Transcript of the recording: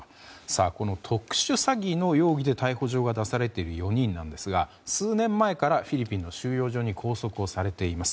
この特殊詐欺の容疑で逮捕状が出されている４人ですが数年前からフィリピンの収容所に拘束されています。